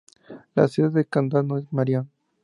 La sede de condado es Marion.